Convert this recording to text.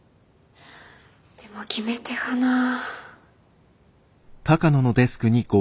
でも決め手がなあ。